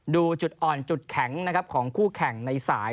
ดูจุดอ่อนจุดแข็งนะครับของคู่แข่งในสาย